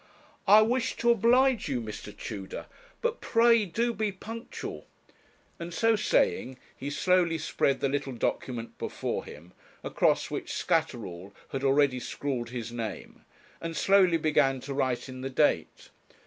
'I wish to oblige you, Mr. Tudor; but pray do be punctual;' and so saying he slowly spread the little document before him, across which Scatterall had already scrawled his name, and slowly began to write in the date.